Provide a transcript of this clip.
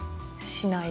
しない。